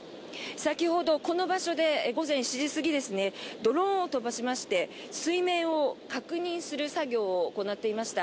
先ほど、この場所で午前７時過ぎドローンを飛ばしまして水面を確認する作業を行っていました。